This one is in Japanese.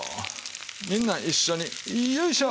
みんな一緒によいしょ！